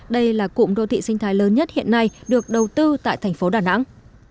đây là cụm đô thị sinh thái lớn nhất hiện nay được đầu tư tại tp đà nẵng